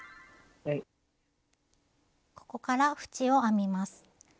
ここから縁を編みます。